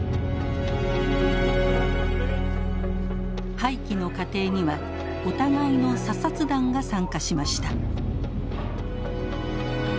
廃棄の過程にはお互いの査察団が参加しました。